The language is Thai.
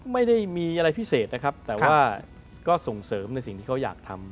ไม่ได้มีอะไรพิเศษนะครับแต่ว่าก็ส่งเสริมในสิ่งที่เขาอยากทำ